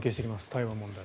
台湾問題。